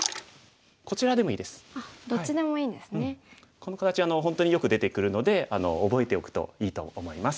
この形本当によく出てくるので覚えておくといいと思います。